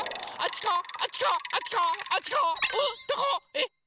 えっ？